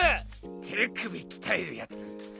手首鍛えるやつ。